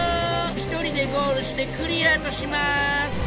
一人でゴールしてクリアとします！